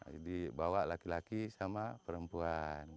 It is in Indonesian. jadi bawa laki laki sama perempuan